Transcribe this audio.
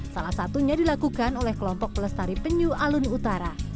salah satunya dilakukan oleh kelompok pelestari penyu alun utara